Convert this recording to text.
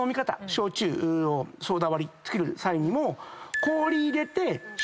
焼酎のソーダ割り作る際にも。